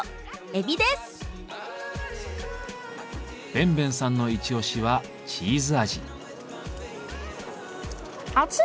奔奔さんのイチオシはチーズ味。